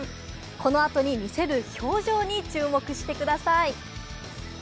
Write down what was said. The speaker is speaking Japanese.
この後に見せる表情に注目してください。